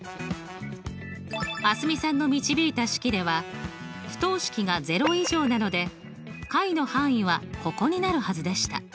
蒼澄さんの導いた式では不等式が０以上なので解の範囲はここになるはずでした。